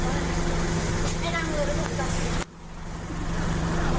แล้วสวัสดีใหม่นะครับ